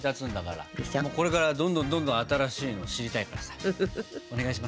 これからどんどんどんどん新しいの知りたいからさお願いします。